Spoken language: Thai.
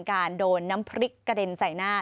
โดนน้ำพริกกระเด็นใส่หน้า